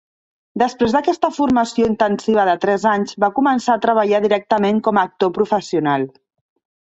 Després d"aquesta formació intensiva de tres anys, va començar a treballar directament com actor professional.